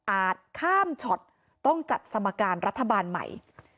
ข้ามช็อตต้องจัดสมการรัฐบาลใหม่